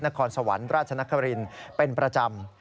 นครสวรรค์ราชนครินเป็นประจำ